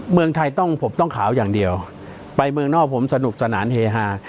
เมืองไทยต้องผมต้องขาวอย่างเดียวไปเมืองนอกผมสนุกสนานเฮฮา